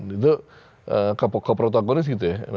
itu ke protagonis gitu ya